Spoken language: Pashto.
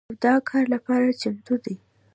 او د کار لپاره چمتو دي